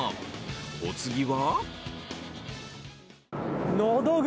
お次は？